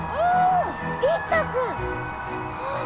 ああ！